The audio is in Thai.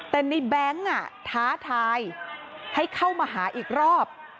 แต่ในแบงค์ท้าทายให้เข้ามาหาอีกรอบ